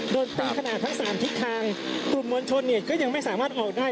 โดนตีขนาดทั้งสามทิศทางกลุ่มมวลชนเนี่ยก็ยังไม่สามารถออกได้